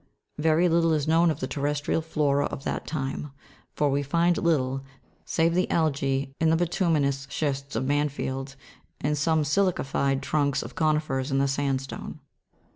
Very little is known of the terrestrial flora of that time, for we find little, save the algae in the bitu'minous schists of Mansfield, and some sili'cified trunks of co'nifers in the sandstone.